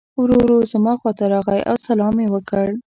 ورو ورو زما خواته راغی او سلام یې وکړ.